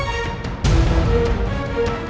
masuk saya bilang masuk